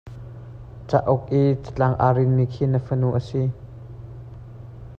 Cauk i catlang a rinmi khi ka fanu a si.